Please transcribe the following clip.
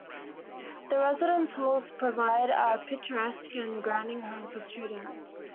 The Residence Halls provide a picturesque and grounding home for students.